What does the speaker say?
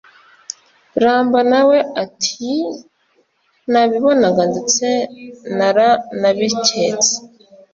Ramba na we ati nabibonaga ndetse naranabiketse